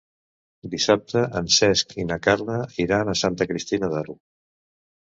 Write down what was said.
Dissabte en Cesc i na Carla iran a Santa Cristina d'Aro.